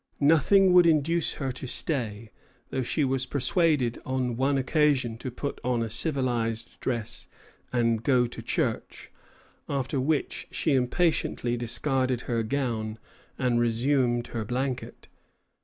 Nothing would induce her to stay, though she was persuaded on one occasion to put on a civilized dress and go to church; after which she impatiently discarded her gown and resumed her blanket.